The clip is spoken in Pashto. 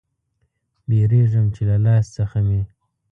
بیریږم چې له لاس څخه مې